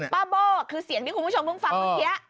โบ้คือเสียงที่คุณผู้ชมเพิ่งฟังเมื่อกี้